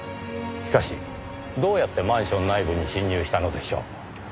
しかしどうやってマンション内部に侵入したのでしょう？